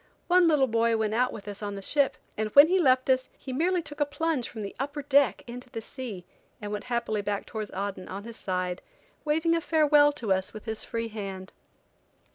One little boy went out with us on the ship, and when he left us he merely took a plunge from the upper deck into the sea and went happily back towards Aden, on his side, waving a farewell to us with his free hand.